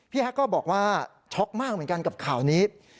แฮกก็บอกว่าช็อกมากเหมือนกันกับข่าวนี้